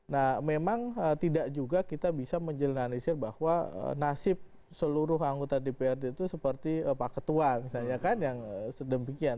nah memang tidak juga kita bisa menjelanisir bahwa nasib seluruh anggota dprd itu seperti pak ketua misalnya kan yang sedemikian